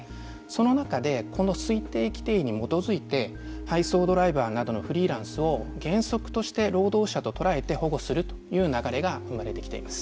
その中でこの推定規定に基づいて配送ドライバーなどのフリーランスを原則として労働者と捉えて保護するという流れが生まれてきています。